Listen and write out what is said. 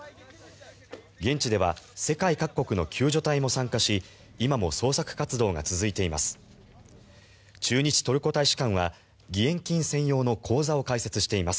現地では世界各国の救助隊も参加し今も捜索活動が続いています。